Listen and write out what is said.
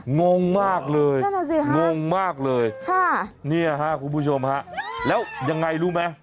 งงมากเลยงงมากเลยนี่ครับคุณผู้ชมฮะแล้วยังไงรู้ไหม